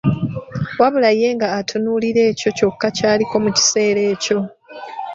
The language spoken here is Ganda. Wabula ye nga atunuulira ekyo kyokka ky'aliko mu kiseera ekyo.